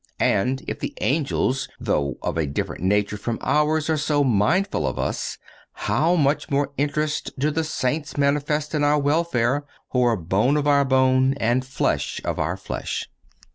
And if the angels, though of a different nature from ours, are so mindful of us, how much more interest do the saints manifest in our welfare, who are bone of our bone and flesh of our flesh?